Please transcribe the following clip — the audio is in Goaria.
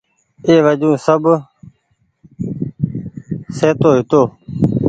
اي وجون سب سهيتو هيتو۔